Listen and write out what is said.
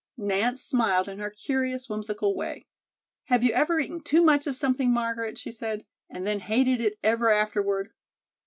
Nance smiled in her curious, whimsical way. "Have you ever eaten too much of something, Margaret," she said, "and then hated it ever afterward?"